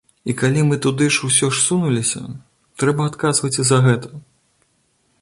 І калі мы туды ўсё ж сунуліся, трэба і адказваць за гэта.